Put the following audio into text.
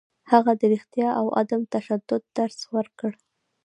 هغه د رښتیا او عدم تشدد درس ورکړ.